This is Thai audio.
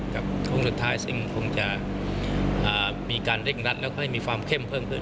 โครงสุดท้ายซึ่งคงจะมีการเร่งรัดแล้วก็ให้มีความเข้มเพิ่มขึ้น